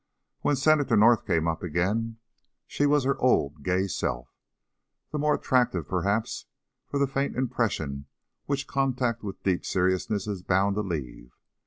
When Senator North came up again, she was her old gay self, the more attractive perhaps for the faint impression which contact with deep seriousness is bound to leave.